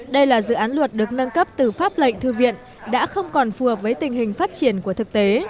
đây là dự án luật được nâng cấp từ pháp lệnh thư viện đã không còn phù hợp với tình hình phát triển của thực tế